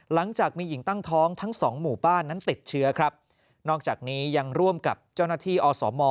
หลังจากมีหญิงตั้งท้องทั้งสองหมู่บ้านนั้นติดเชื้อครับนอกจากนี้ยังร่วมกับเจ้าหน้าที่อสม